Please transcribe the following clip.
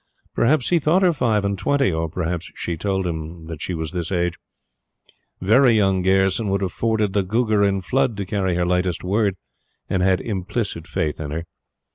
Perhaps he thought her five and twenty, or perhaps she told him that she was this age. "Very Young" Gayerson would have forded the Gugger in flood to carry her lightest word, and had implicit faith in her.